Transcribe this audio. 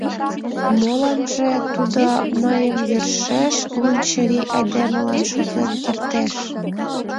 Моланже, тудо мыйым йӧршеш лунчырий айдемылан шотлен кертеш.